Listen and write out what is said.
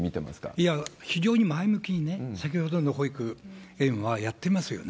いや、非常に前向きにね、先ほどの保育園はやってますよね。